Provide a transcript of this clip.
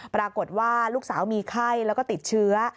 ปรากฏว่าลูกสาวมีไข้แล้วก็ติดเชื้อ